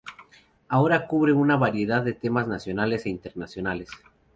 Ahora cubre una variedad de temas nacionales e internacionales.